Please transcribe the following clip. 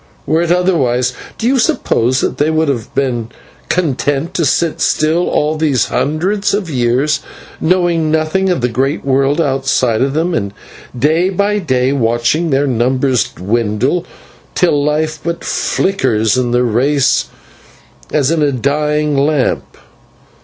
Were it otherwise, do you suppose that they would have been content to sit still all these hundreds of years, knowing nothing of the great world outside of them, and day by day watching their numbers dwindle, till life but flickers in the race as in a dying lamp?